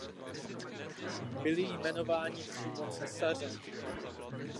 Byli jmenováni přímo císařem.